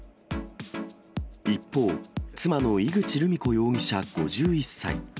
一方、妻の井口留美子容疑者５１歳。